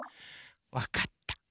わかった。